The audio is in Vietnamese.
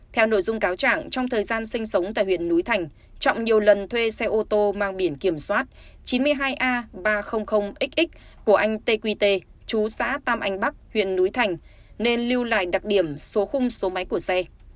theo nội dung cáo trạng trong thời gian sinh sống tại huyện núi thành trọng nhiều lần thuê xe ô tô mang biển kiểm soát chín mươi hai a ba trăm linh xx của anh tq tê chú xã tam anh bắc huyện núi thành nên lưu lại đặc điểm số khung số máy của xe